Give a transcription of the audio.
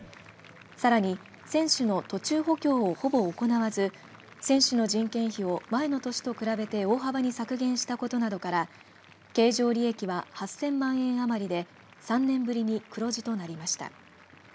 さらに、選手の途中補強をほぼ行わず選手の人件費を前の年と比べて大幅に削減したことなどから経常利益は８０００万円余りで３年ぶりに黒字となりました。